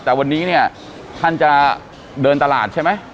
แต่วันนี้เนี่ยท่านจะเดินตลาดใช่ไหม